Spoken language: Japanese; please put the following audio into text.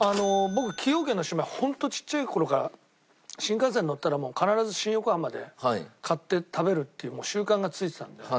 僕崎陽軒のシウマイホントちっちゃい頃から新幹線に乗ったら必ず新横浜で買って食べるっていう習慣がついてたんで。